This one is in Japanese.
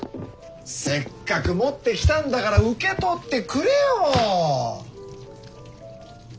せっかく持ってきたんだから受け取ってくれよ。